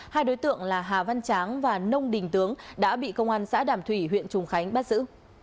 hai đối tượng là hà văn tráng và nông đình tướng đã bị công an xã đàm thủy huyện trùng khánh bắt giữ